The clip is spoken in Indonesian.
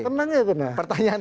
tenang ya tenang